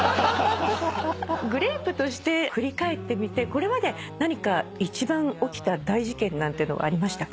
グレープとして振り返ってみてこれまで何か一番起きた大事件なんていうのありましたか？